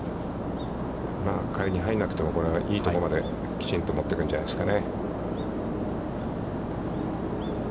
仮に入らなくても、いいところまできちんと持っていくんじゃないですかね。